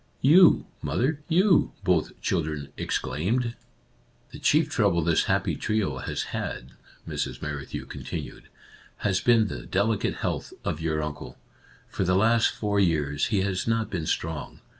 " You, mother, you," both children ex claimed. 14 Our Little Canadian Cousin " The chief trouble this happy trio has had," Mrs. Merrithew continued, " has been the delicate health of your uncle. For the last four years he has not been strong.